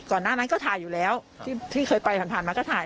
หน้านั้นก็ถ่ายอยู่แล้วที่เคยไปผ่านผ่านมาก็ถ่าย